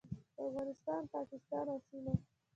افغانستان، پاکستان او سیمه